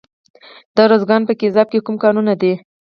د ارزګان په ګیزاب کې کوم کانونه دي؟